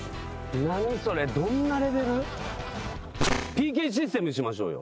ＰＫシステムにしましょうよ。